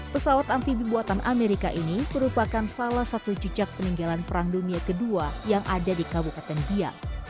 pesawat amfibi buatan amerika ini merupakan salah satu jejak peninggalan perang dunia ii yang ada di kabupaten biak